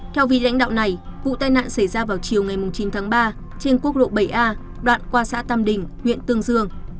theo vị lãnh đạo này vụ tai nạn xảy ra vào chiều ngày chín tháng ba trên quốc lộ bảy a đoạn qua xã tam đình huyện tương dương